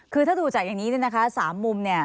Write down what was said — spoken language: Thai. คือถ้าดูจากอย่างนี้เนี่ยนะคะ๓มุมเนี่ย